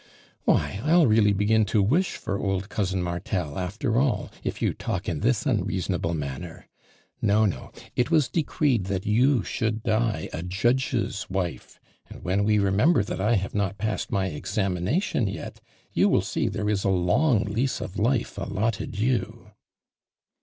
"Why, I'll really begin to wish for old cousin Martel, after all if you talk in this unreasonable manner. No, no, it was de. creed that you should die a judge's wife, and when we remember that I nave not passed my examination yet, you will see there is a long lease of life allotted you."